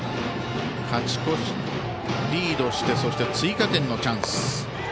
勝ち越し、リードして追加点のチャンス。